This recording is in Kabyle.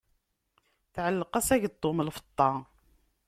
Tɛelleq-as ageṭṭum n lfeṭṭa.